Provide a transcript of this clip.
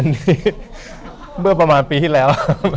นี่เมื่อประมาณปีที่แล้ว